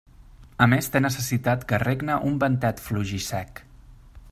A més té necessitat que regne un ventet fluix i sec.